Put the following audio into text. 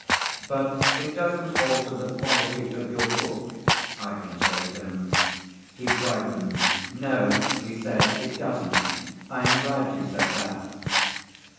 "But it doesn't alter the quality of your book," I consoled him. He brightened, "No," he said, "it doesn't; I am glad you said that."